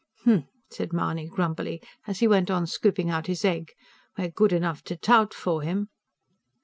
"Umph!" said Mahony grumpily, and went on scooping out his egg. "We're good enough to tout for him."